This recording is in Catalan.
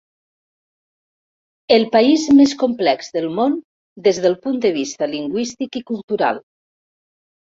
El país més complex del món des del punt de vista lingüístic i cultural.